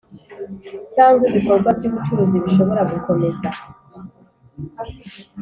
cyangwa ibikorwa by ubucuruzi bishobora gukomeza